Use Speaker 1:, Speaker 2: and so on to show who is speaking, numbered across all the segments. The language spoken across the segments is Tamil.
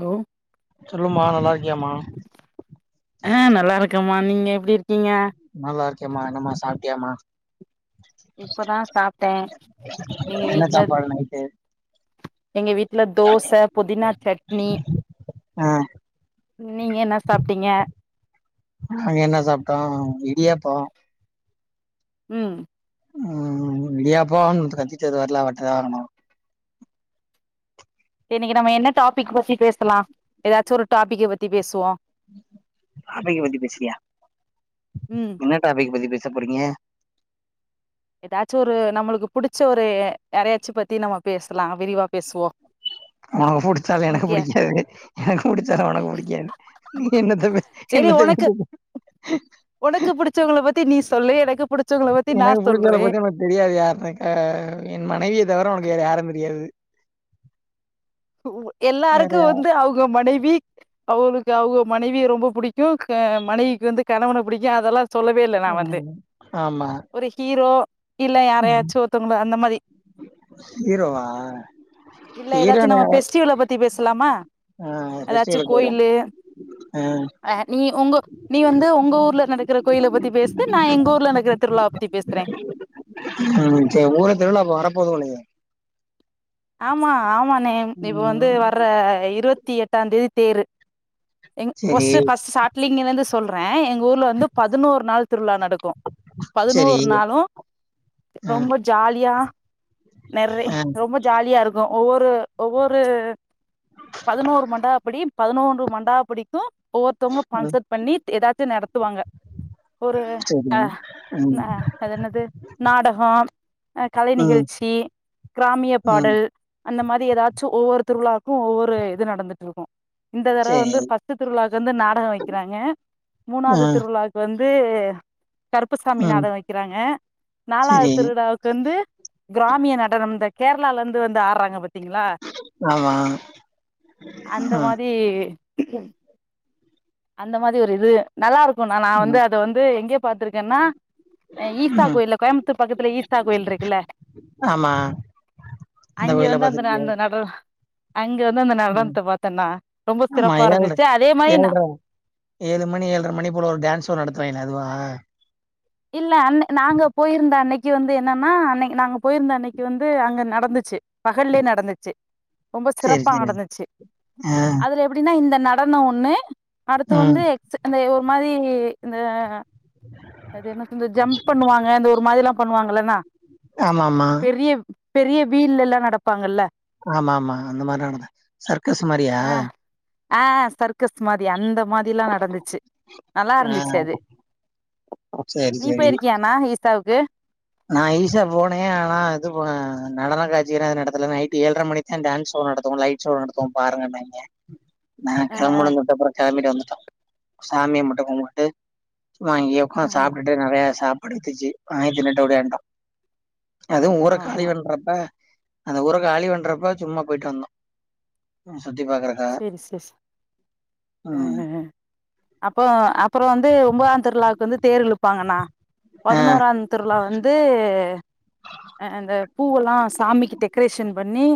Speaker 1: ஹலோ
Speaker 2: சொல்லுமா நல்லா இருக்கியாமா
Speaker 1: ம்மா நீங்க எப்டி இரு
Speaker 2: நல்லா இருக்கேம்மா என்னமா சாப் டியாமா
Speaker 1: இப்பதா சாப்ட்டே எங்க
Speaker 2: என்ன
Speaker 1: வீட்ல
Speaker 2: சாப்பாடு நைட்டு
Speaker 1: எங்க வீட்ல தோச புதினா சட்னி
Speaker 2: ஆ
Speaker 1: நீங்க என்ன சாப்ட்டீங்க
Speaker 2: போ
Speaker 1: ம்
Speaker 2: ம் இடியாப்போனு வித்து கத்திட்டு வருவார்ல்ல அவர்டதா வாங்குனோ
Speaker 1: இன்னைக்கு நம்ம என்ன டாபிக் பத்தி பேசலா எதாச்சு ஒரு டாபிக்க பத்தி பேசுவோ
Speaker 2: டாபிக்கு பத்தி பேசரியா
Speaker 1: ம்
Speaker 2: என்ன டாபிக்கு பத்தி பே பேசப்போரிங்க
Speaker 1: எதாச்சு ஒரு நம்மளுக்கு புடிச்ச ஒரு யாரையாச்சி பத்தி நம்ம பேசலா விரிவா பேசுவோ
Speaker 2: உனக்கு புடுச்சாலு எனக்கு
Speaker 1: உனக்கு யா
Speaker 2: புடிக்காது எனக்கு புடுச்சாலு உனக்கு புடிக்காது நீ என்னத்த பே
Speaker 1: செரி
Speaker 2: என்னத்த
Speaker 1: உனக்கு
Speaker 2: பே
Speaker 1: உனக்கு புடிச்சவங்கள பத்தி நீ சொல்லு எனக்கு புடிச்சவங்கள பத்தி நா
Speaker 2: புடுச்சவல
Speaker 1: சொல்றே
Speaker 2: பத்தி நம்மளுக்கு தெரியாது [unintelligible] என் மனைவிய தவிர உனக்கு வேற யாரைந் தெ எது
Speaker 1: எல்லாருக்கு வந்து அவுங்க மனைவி அவங்ளுக்கு அவங்க மனைவிய ரொம்ப புடிக்கு மனைவிக்கு வந்து கணவன புடிக்கு அதெல்லா சொல்லவே இல்ல நா வந்து
Speaker 2: ம் ஆமா
Speaker 1: ஒரு ஹீரோ இல்ல
Speaker 2: ம்
Speaker 1: யாரையாச்சு ஒருத்தவங்கள அந்த மாரி
Speaker 2: ஹீரோவா
Speaker 1: இல்ல ஏதாச்சு
Speaker 2: ஹீரோனு
Speaker 1: நம்ம
Speaker 2: யா
Speaker 1: ஃபெஸ்டிவல பத்தி பேசலாமா எதாச்சு
Speaker 2: ஃபெஸ்டிவலுக்கு வருவா
Speaker 1: கோயிலு
Speaker 2: ஆ
Speaker 1: அ நீ உங்க நீ வந்து உங்க ஊர்ல நடக்கற கோயில பத்தி பேசு நா எங்க ஊர்ல நடக்கற திருவிழாவ பத்தி பேசற
Speaker 2: ம் சரி ஊர திருவிழா அப்ப வரப்போது [unintelligible]
Speaker 1: ஆமா ஆமா நேம் இப்ப வந்து
Speaker 2: ம்
Speaker 1: வர்ற இருவத் த்தி எட்டா தேதி தேரு எங்
Speaker 2: சரி
Speaker 1: பொஸ் ஃபர்ஸ் சாட்லிங்க [unintelligible] சொல்றே எங்க ஊர்ல வந்து பதுனோரு நாள் திருழா நடக்கு
Speaker 2: சரி
Speaker 1: பதினோரு நாளும்
Speaker 2: ஆ
Speaker 1: ரொம்ப ஜாலியா நெற்றெ
Speaker 2: ஆ
Speaker 1: ரொம்ப இருக்கு ஒவ்வொரு ஒவ்வொரு பதுனோரு மண்டாப்படி பதினொரு மண்டாப்படிக்கு ஒவ்வொருத்தங்க
Speaker 2: ம்
Speaker 1: ஸ்பான்சர் பண்ணி எதாத்து நடத்துவாங்க ஒரு
Speaker 2: சரி
Speaker 1: அ
Speaker 2: ம்
Speaker 1: அது என்னது நாடகோ அ கலை
Speaker 2: ம்
Speaker 1: நிகழ்ச்சி கிராமிய
Speaker 2: ம்
Speaker 1: பாடல் அந்த மாரி ஏதாச்சு ஒவ்வொருத் திருவிழாவுக்கு ஒவ்வொரு இது நடந்துட்டு இருக்கும் இந்த தடவ
Speaker 2: சரி
Speaker 1: வந்து ஃபர்ஸ்ட் திருவிழாவுக்கு வந்து நாடகோ வெக்கறாங்க மூணாவது
Speaker 2: ம்
Speaker 1: திருவிழாவுக்கு வந் து கருப்புசாமி
Speaker 2: ம்
Speaker 1: நாடகோ வெக்கறாங்க நாலாவது
Speaker 2: சரி
Speaker 1: திருவிழாவுக்கு வந்து கிராமிய நடனம் த ழந்து வந்து ஆறாங்க பத்தி திங்களா
Speaker 2: ஆமா
Speaker 1: அந்த
Speaker 2: ம்
Speaker 1: மாதி அந்த மாதிரி ஒரு இது நல்லா இருக் ண்ணா நான் வந்து
Speaker 2: ம்
Speaker 1: அத வந்து எங்கே பாத்துருக்கேன்னா ஈஸ்ஸா
Speaker 2: ம்
Speaker 1: கோயில்ல கோயம்புத்தூர் பக்கத்துல ஈஸா கோயில் இருக்குல்ல
Speaker 2: ஆமா
Speaker 1: அங்கே வந்து அந்த அந்த நட அங்க வந்து அந்த
Speaker 2: உம்
Speaker 1: நடனத்த பாத்தேன்னா ரொம்ப
Speaker 2: ஆமா
Speaker 1: சிறப்பா
Speaker 2: ஏழ்ற
Speaker 1: இருந்துச்சு அதே மாரி நா
Speaker 2: ஏழ்ற ஏழு மணி ஏழ்ர மணி போல ஒரு டான்ஸ்ஷோ நடத்துவங்களே அதுவா
Speaker 1: இல்ல அன் நாங்க போயிருந்தா அன்னைக்கு கு வந்து என்னன்னா அன்னை நாங்க போயிருந்த அன்னைக்கு வந்து அங்க நட இருந்துச்சு பகல்லே நடந்துச்சு ரொம்ப
Speaker 2: சரி
Speaker 1: சிறப்பா
Speaker 2: சரி
Speaker 1: நடந்துச்சு
Speaker 2: ஆ
Speaker 1: அதுல எப்படின்னா இந்த நடநோ ஒன்னு அடுத்து வந்து
Speaker 2: ம்
Speaker 1: எக்ஸ் அந்த ஓ ஒரு மாரி இந்த
Speaker 2: [inaudible]
Speaker 1: அது என்ன சொ [unintelligible] ஜம்ப் பண்ணுவாங்க இந்த ஒரு மாதிரி எல்லாம் பண்ணுவாங்கன்னா
Speaker 2: ஆமா ஆமா
Speaker 1: பெரிய பெரிய வீல்லல்லா நடப்பாங்கல்ல
Speaker 2: ஆமா ஆமா அந்த மாரி நட தா சர்க்கஸ் மாரியா
Speaker 1: ஆஹ் சர்க்கஸ் மாரி அந்த மாதில்லா நடந்துச்சு நல்லா
Speaker 2: ஆ
Speaker 1: இருந்துச்சு அது
Speaker 2: சரி
Speaker 1: நீ
Speaker 2: சரி
Speaker 1: போயிருக்கியா ண்ணா ஈசா வுக்கு
Speaker 2: நா ஈஷா போனே ஆனா இது நடன காட்சியெல்லா எது நடத்துல நைட் ஏழரை மணிக்தா டான்ஸ் ஷோ நடத்துவோ லைட் ஷோ நடத்துவோ பாருங்கன்னாங்க நா
Speaker 1: ஆ ஆ
Speaker 2: கெளம்புனுனு சொல்லிட்டு அப்பற கெளம்பட்டு வந்த சாமிய மட்டும் கும்புட்டு வாங்கி
Speaker 1: ஆ
Speaker 2: உக்காந் சாப்ட்டுட்டு நறைய சாப் படித்துச்சு [unintelligible] ஒடியாண்ட்டா அதுவு ஊற காலி
Speaker 1: ஆமா
Speaker 2: பண்றத்தா அந்த ஊர காலி பண்றப்ப சும்மா போயிட்டு வந்தோ ம் சுத்தி பாக்குறகாக
Speaker 1: அ அ அப்போ அப்புறம் வந்து ஒம்பதாம் திருழா வந்து தேர் இழுப்பாங்கன்னா.
Speaker 2: ஆ
Speaker 1: பதினோராந் திருவிலா வந்து அ அந்த பூவெல்லா சாமிக்கு டெக்ரேஷன் பண்ணி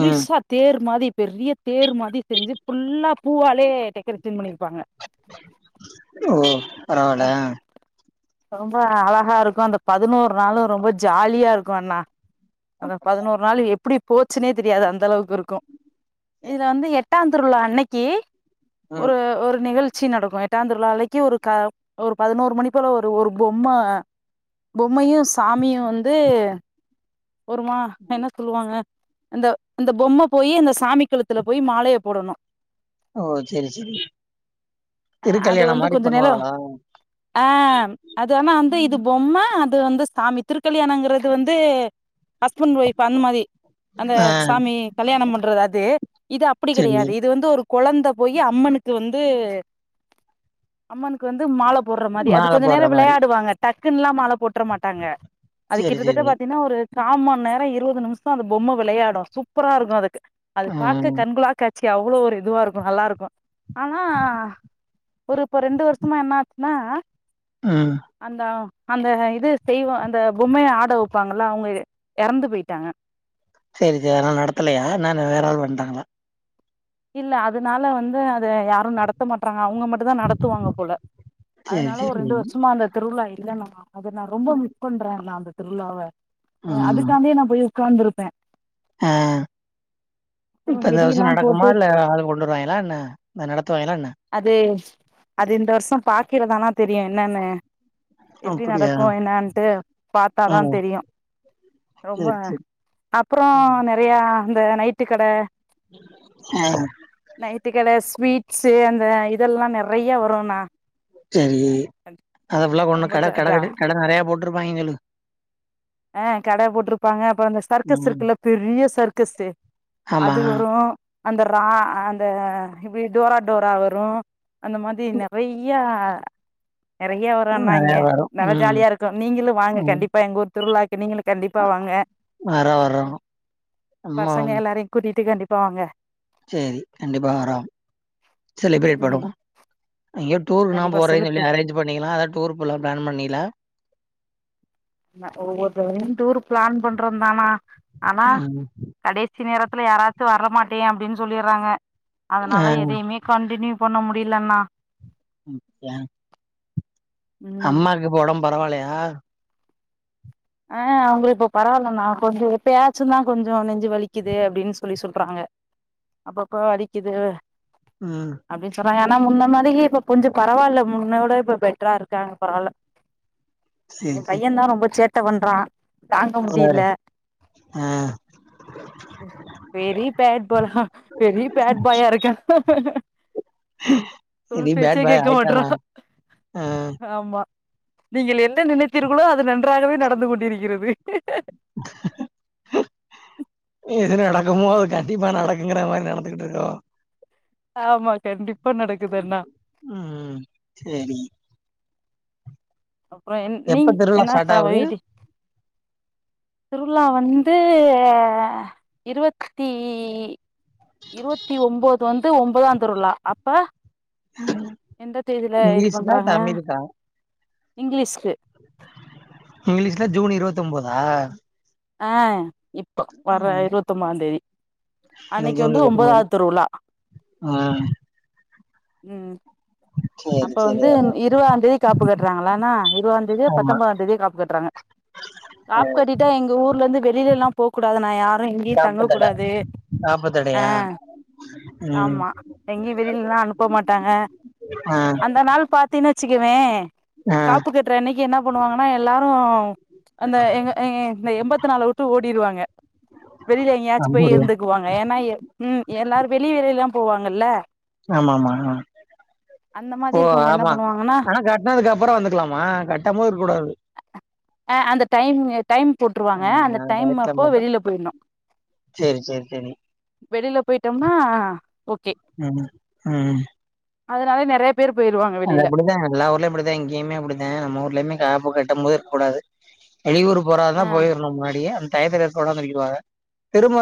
Speaker 2: ம்
Speaker 1: தேர் மாதி பெரிய தேர் மாதி செஞ்சு ஃபுல்லா பூவால் ப்டியே டெக்ரேசன் பண்ணி
Speaker 2: ஓ. பரவால.
Speaker 1: ரொம்ப அழகா இருக்கு அந்த பதினோரு நாளு ரொம்ப ஜாலியா இருக்கு அண்ணா. அந்த
Speaker 2: அப்படியா
Speaker 1: பதினோரு நாளு எ எப்படி போச்சுனே தெரியாது அந்த அளவுக்கு இருக்கும்.
Speaker 2: சரி
Speaker 1: இதுல வந்து எட் பட்டாந்திருவ்ழா அன்னைக்கு
Speaker 2: ம்
Speaker 1: ஒரு ஒரு நிகழ்ச் ச்சி நடக்கும் எட்டாம் திருவிழா அளைக்கு ஒரு க ஒரு பதினோரு மணி போல ஒரு ஒரு பொம்ம பொம்மையும் சாமியும் வந்து. ஒருமா என்ன சொல்லுவாங்க. அந்த அந்த பொம்ம போயி அந்த சாமி களுத்துல போய் மாலைய போடணும்.
Speaker 2: ஓ செரி செரி
Speaker 1: அஹ் அது
Speaker 2: திருக்கல்யாணம்
Speaker 1: வந்து
Speaker 2: மாரி
Speaker 1: கொஞ்சம் நெலம்.
Speaker 2: பண்ணுவாங்களா
Speaker 1: ஆஹ் அது ஆனா அந்த இது பொம்ம. அது வந்து சாமி திருக்கல்யாணங்கிறது வந்து. ஹஸ்பண்ட் ஒயிஃப் அந்த் மாரி அந்த
Speaker 2: ஆ
Speaker 1: சாமி கல்யாணம் பண்றது அது இது அப்படி
Speaker 2: செரி
Speaker 1: கிடையாது இது வந்து ஒரு. குழந்த போய் அம்மனுக்கு வந்து அம்மனுக்கு வந்து மால. போடுற மாதிரி அது
Speaker 2: மால
Speaker 1: கொஞ்ச
Speaker 2: போட்ற
Speaker 1: நேரம்
Speaker 2: மாரி
Speaker 1: விளையாடுவாங்க. டக்குனுல்லா மால. போட்டுற மாட்டாங்க அது
Speaker 2: செரி
Speaker 1: கிட்டத்தட்ட
Speaker 2: செரி
Speaker 1: பாத்தீங்கன்னா ஒரு காமண் நேரம் இருபது நிமிஷம் அது பொம்மை விளையாடும் சூப்பரா இருக்கும் அது அது
Speaker 2: ஆ
Speaker 1: பார்க்க கண்கொள்ளா காட் ச்சீ அவ்வளோ ஒரு இதுவா இருக்கும் நல்லா இருக்கும். ஆனா ஒரு இப்ப ரெண்டு வருஷமா என்ன ஆச்சுன்னா.
Speaker 2: ம்
Speaker 1: அந்தா. அந்த இது செய்வோ அந்த பொம்மைய ஆட வைப்பாங்கள அவங்க. இறந்து போயிட்டாங்க.
Speaker 2: செரி செரி ஆனா நடத்தலையா ந வேற ஆள் வண்ட்டாங்களா.
Speaker 1: இல்ல அதனால வந்து அத யாரும் நடத்த மாட்டறாங் அவங்க மட்டும் தான் நடத்துவாங்க போல
Speaker 2: சரி
Speaker 1: அதனால ஒரு
Speaker 2: சரி
Speaker 1: ரெண்டு வருஷமா அந்த திருவிழா இல்லன்ன மா. அது நான் ரொம்ப மிஸ் பண்றேன் நான் அந்த திருவிழாவ எ அதுக்காந்தே நா போய் உட்காந்திருப்பே
Speaker 2: ஆஹ்
Speaker 1: அப்புறோ
Speaker 2: இப்ப இந்த வர்ஷோ
Speaker 1: வெடியெல்லா
Speaker 2: நடக்குமா
Speaker 1: போட்டு
Speaker 2: இல்ல கொண்டு வருவாய்களா என்ன நடத்
Speaker 1: அதே ச்ச் அது இந்த வர்சோ பாக்கிறதானா தெரியு என்னன்னு எப்டி
Speaker 2: அப்டியா
Speaker 1: நடக்கொ என்னான்ட்டு பாத்தா தா
Speaker 2: ம்
Speaker 1: தெரியு ரொம்ப
Speaker 2: சரி சரி
Speaker 1: அப்றோ நெறய அந்த நைட்டு கட
Speaker 2: ஆஹ்
Speaker 1: இருட்டுக்கட ஸ்வீட்ஸ் தே அந்த இதெல்லா நெறைய வருண்ணா
Speaker 2: செரி அதஃபுல்லா போட்னு
Speaker 1: ரொம்ப
Speaker 2: கட
Speaker 1: ஜா
Speaker 2: கட கட்டி கட நறையா போட் ட்ருப்பாய்ங்கலு
Speaker 1: ஆஹ் கட போட்ருப்பாங்க அப்றோ அந்த சர்க்கஸ்
Speaker 2: ம்
Speaker 1: இருக்குல்ல பெரிய சர்க் கஸ்தே
Speaker 2: ஆமா
Speaker 1: அது வரு அந்த ரா அந்த இப்டி டோரா டோரா வரோ அந்த மாதி நறைய்யா அ நறைய்ய வரோண்ணா இங்க
Speaker 2: நெறையா வரும்
Speaker 1: நல்லா
Speaker 2: ம்
Speaker 1: ஜாலியாயிர்க்கு நீங்களு வாங்க
Speaker 2: ம்
Speaker 1: கண்டிப்பா எங்க ஊர் த்திருள்ளாக் நீங்களு கண்டிப்பா வாங்க
Speaker 2: வர்றோம் வர்றோம்
Speaker 1: பசங்க எல்லாரையு கூட்டிட்டு கண்டிப் த்தாங்க
Speaker 2: சேரி கண்டிப்பா வரோ செலிப்ரேட்
Speaker 1: ம்
Speaker 2: பண்ணுவோ எங்கோயோ டூர்லா
Speaker 1: கண்டிப்பா
Speaker 2: போறேன் சொல்லி
Speaker 1: செழிப்பு
Speaker 2: அரேஞ்ச் பண்ணிகலா அதா டூர் போலா பிளான் பண்ணிய்லா
Speaker 1: ஒவ்வொரு தரையு டூர் பிளான் பண்றோ தாணா ஆனா
Speaker 2: ம்
Speaker 1: கடைசி நேர ல யாராச்சு வரமாட்டே அப்டின் சொல்லிர்றாங்க
Speaker 2: ஆ
Speaker 1: அதனால எதையுமே கண்டினிவ் ஒண்ணு முடிலண்ணா
Speaker 2: உம் ஏ
Speaker 1: ம்
Speaker 2: அம்மாக்கு இப்போ ஒடம்ப் பரவாலையா
Speaker 1: ஆஹ் அவுங்குளுக் இப்போ பரவாலன்னா கொஞ்சோ எப்பயாச்சு தா கொஞ்சோ நெஞ்சு வலிக்கிது அப்டின் சொல்லி சொல்றாங்க அப்போப்போ வலிக்கிது
Speaker 2: உம்
Speaker 1: ஏன்னா முன்ன மாதிரி இப்ப கொஞ்சோ பரவால்ல முன்ன விட இப்ப பெட்ரா இருக்காங்க பரவால்ல எ பையே தா ரொம்ப சே ட்ட பண்றா தாங்க முடியில்ல பெரிய பேட் பாயா பெரிய பேட் பாயா இருக்கான்
Speaker 2: செரி பேட் பாய்
Speaker 1: கேட்க மாட்றா
Speaker 2: ஆயிட்டனா அ
Speaker 1: ஆமா நீங்கள் என்ன நினைத்தீர்களோ அதுல [unintelligible] நன்றாகவே ந [unintelligible]
Speaker 2: எது நடக்குமோ அது கண்டிப்பா நடக்குங்மாறி நடந்துட்டு இருக்கோ
Speaker 1: ஆமா கண்டிப்
Speaker 2: ம் சேரி
Speaker 1: அப்புறே என் நீங்
Speaker 2: எப்ப திருவிழா
Speaker 1: என்ன
Speaker 2: ஸ்டார்ட்
Speaker 1: சாவ
Speaker 2: ஆகுது
Speaker 1: [inaudible] திருவுழா வந்து ஏ இருவத்தி இருபத்தி ஒம்போது வந்த் ஒன்பதா திருவுளா அப்ப எந்த தேதியில
Speaker 2: இங்கிலீஷ்ல
Speaker 1: இதுபண்றாங்க
Speaker 2: தமிழ்கா
Speaker 1: இங்கிலிஷ்
Speaker 2: இங்கிலீஷ்ல ஜூன் இரு த்தொன்பதா
Speaker 1: அ இப்ப வர இருவத்தொம்பதா தேதி
Speaker 2: இன்னும்
Speaker 1: அன்னைக்கு
Speaker 2: ஜூன்
Speaker 1: வந்து
Speaker 2: இருபத்தி மூணு
Speaker 1: ஒம்பதாவது திருவுழா
Speaker 2: ம்
Speaker 1: ம்
Speaker 2: சரி
Speaker 1: அப்ப
Speaker 2: சரி
Speaker 1: வந்து இருவாதா தேதி காப்பு கட்டுறாங்களானா இருவதா தேதியோ
Speaker 2: ஆமா
Speaker 1: பத்தம்போதா தேதியோ காப்பு கட்டுவாங்க காப்பு கட்டி ட்டா எங்க ஊருலருந்து வெளிலலா போகக்கூடாது நா யாரையு எங்கையு
Speaker 2: நாப்பத்தடை
Speaker 1: தங்கக்கூடாது
Speaker 2: நாப்பத்தடையா ம்
Speaker 1: ஆமா எங்கேயு வெளிலலா அனுப்பமாட் ட்ட
Speaker 2: ஆ
Speaker 1: அந்த நாள் பார் தின்ன வச்சுக்குவே
Speaker 2: ஆ
Speaker 1: காப்பு கட்ற அன்னைக்கு என்ன பண்ணுவாங்கன்னா எல்லாரு அந்த எங்க எ எம்பத்து நாள வுட்டு ஓடிடுவாங்க வெள்ல எங்கயாச்சு போய்
Speaker 2: அப்படியா
Speaker 1: இருந்துக்கு வாங்க ஏன்னா ம் எல்லாரு [unintelligible] போவாங்கல
Speaker 2: ஆமா ஆமா அ
Speaker 1: அந்த மாதிரி
Speaker 2: ஓ
Speaker 1: இருக்கவங்க என்ன
Speaker 2: ஆமா
Speaker 1: பண்ணுவாங்கன்னா
Speaker 2: ஆனா கட்னத்துக்கு அப்போ வந்துகலாம்மா கட்டம்போது இருக்கூடாது
Speaker 1: அ அந்த டைம்க்கு டையம்
Speaker 2: ஆ
Speaker 1: போட்டுருவாங்க அந்த
Speaker 2: டயத்துல
Speaker 1: டையம்மப்போ
Speaker 2: மட்டு
Speaker 1: வெளில்ல போயிர்ணு
Speaker 2: சேரி சேரி சேரி
Speaker 1: வெளில்ல போயிட்டோம்னா ஓகே
Speaker 2: ம் ம்
Speaker 1: அதனால நெறைய பேர் போயிருவாங்க
Speaker 2: அது
Speaker 1: வெளில
Speaker 2: அப்படிதான் எல்லா ஊர்லயப்படிதான் இங்கயுமே அப்படிதான் நம் ஊர்லயுமே காப்பு கட்டம்போது இருக்ககூடாது வெளியூர்
Speaker 1: ஆ
Speaker 2: போறாதான் போயிரணும் முன்னாடியே யத்தடோடிருவாங்க திரும்ப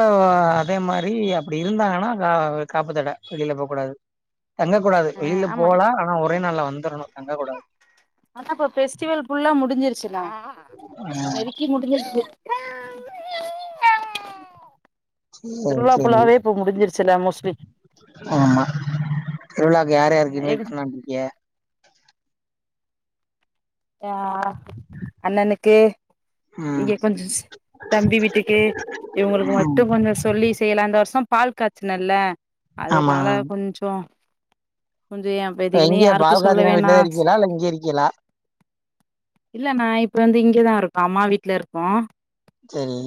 Speaker 2: அதே மாதிரி அப்படி இருந்தாங்கன்னா கா காப்பு தடை வெளியில போகக் கூடாது தங்க கூடாது வெளியில போகலாம் ஆனா ஒரு
Speaker 1: அத இப்ப பெஸ்டிவல் ஃபுல்லா முடிச்சு முடிஞ்சிருச்சி நெருக்கி முடிஞ்சிருக்கு
Speaker 2: சேரி
Speaker 1: திருவிழா
Speaker 2: சேரி
Speaker 1: ஃபுல்லாவே இப்போ முடிஞ்சிருச்சுல மோஸ்ட்லி
Speaker 2: ஆமா திருவிழாக்கு யார் யாருக்கு
Speaker 1: எங்க
Speaker 2: இன்வய்ட் பண்ணான் இருக்கிய
Speaker 1: யா அண்ணனுக்கு
Speaker 2: ம்
Speaker 1: இங்க கொஞ்சம் தம்பி வீட்டுக்கு இவங்களுக்கு
Speaker 2: ம்.
Speaker 1: மட்டும் கொஞ்சம் சொல்லி செய்யலாம் இந்த வருஷம் பால் காய்ச்சினல்ல அதனால கொஞ்சம்
Speaker 2: இங்கய
Speaker 1: சொல்ல
Speaker 2: பால்காச்சின
Speaker 1: வேணா
Speaker 2: வீட்டுலான் இருக்கீலா இல்ல இங்கேய இருக்கீலா
Speaker 1: இல்ல நான் இப்ப வந்து இங்கதான் இருக்கோம் அம்மா வீட்டு்ல இருக்கோம்
Speaker 2: சரி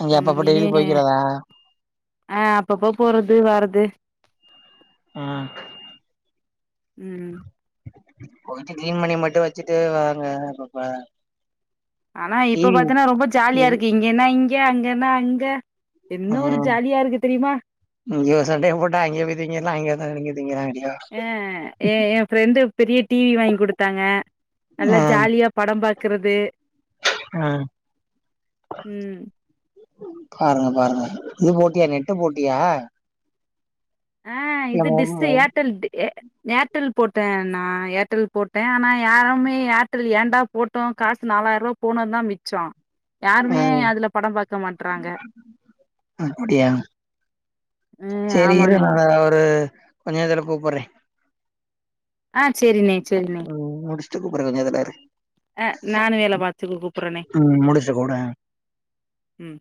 Speaker 2: அங்க அப்பப்ப டெய்லி போய்கிறதா
Speaker 1: ஆஹ் அப்பப்போ போறது வர்றது
Speaker 2: ஆஹ்
Speaker 1: உம்
Speaker 2: போயிட்டு கிளீன் பன்ணி மட்டும் வச்சுட்டு வாங்க அப்பப்ப
Speaker 1: ஆனா இப்ப
Speaker 2: டிவி
Speaker 1: பாத்தீங்கன்னா ரொம்ப ஜாலியா இருக்கு இங்க என்ன இ ங்க அங்கனா அங்க என்ன ஒரு
Speaker 2: உஹம்
Speaker 1: ஜாலியா இருக்கு தெரியுமா
Speaker 2: இங்க சண்டைய போட்டா அங்கே போய்ரீங்க இல்ல அங்க அத நீங்க [unintelligible]
Speaker 1: அஹ் ஏன் என் ஃப்ரெண்டு பெரிய டீவி வாங்கி குடுத்தாங்க நல்லா
Speaker 2: ஆ
Speaker 1: ஜாலியா படம் பா க்கறது
Speaker 2: ஆ
Speaker 1: உம்
Speaker 2: பாருங்க பாருங்க இது போட்டியா நெட்டு போட்டியா
Speaker 1: ஆஹ்
Speaker 2: இல்ல
Speaker 1: இது
Speaker 2: மொ
Speaker 1: டிஸ்ஸு
Speaker 2: மொ
Speaker 1: ஏர்டெல் டி ஏர்டெல் போட்டேன் நா ஏர்டெல் போட்டேன் ஆனா யாருமே ஏர்டெல் ஏண்டா போட்டோம் காசு நாலாயிரம் ரூபா போனும்னு தான் மிச்சம்
Speaker 2: உஹ்
Speaker 1: மாட்றாங்க
Speaker 2: அப்படியா
Speaker 1: ம்
Speaker 2: சரி இரு
Speaker 1: ஆமாண்ணே
Speaker 2: ந ஆஹ் கொஞ்ச நேரத்துல கூப்புறேன்
Speaker 1: ஆஹ் சரி நே
Speaker 2: உம் முடிச் சு கூப்பர கொஞ்சதுல இருக்கு
Speaker 1: அஹ் நானும் வேலை பாத்துட்டு கூப்பறேனே
Speaker 2: ம் முடிச்சுட்டு கூப்புட்றே
Speaker 1: உம்